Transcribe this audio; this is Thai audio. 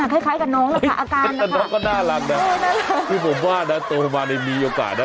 อ้าวท้ากตุ๊กโน้งทำไมเต้นแบบแรงอะไรขนาดนั้นบ้างคะ